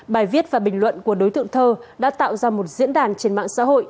bài viết và bình luận của đối tượng thơ đã tạo ra một diễn đàn trên mạng xã hội